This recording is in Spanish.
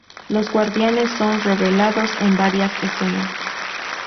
Los Guardianes son revelados en varias escenas.